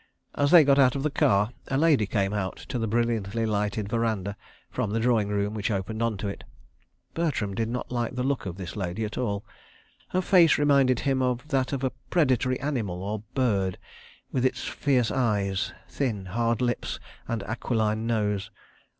As they got out of the car, a lady came out to the brilliantly lighted verandah from the drawing room which opened on to it. Bertram did not like the look of this lady at all. Her face reminded him of that of a predatory animal or bird, with its fierce eyes, thin, hard lips and aquiline nose.